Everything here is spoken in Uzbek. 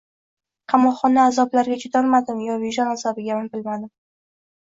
Qamoqxona azoblariga chidolmadimi yo vijdon azobigami, bilmadim